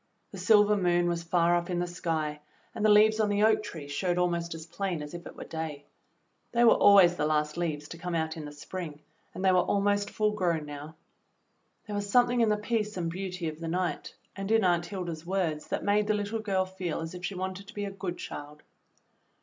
The silver moon was far up in the sky and the^ leaves on the oak tree showed almost as plain as if it were day. They were always the last leaves to come out in the spring and they were almost full grown now. There was something in the peace and beauty of the night and in Aunt Hilda's words 40 THE BLUE AUNT that made the Httle girl feel as if she wanted to be a good child.